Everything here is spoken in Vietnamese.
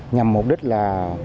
nhằm mục đích là